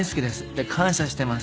で感謝しています。